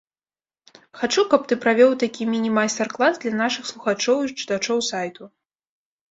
Хачу каб ты правёў такі міні-майстар клас для нашых слухачоў і чытачоў сайту.